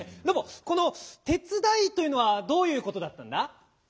ロボこの「てつだい」というのはどういうことだったんだ？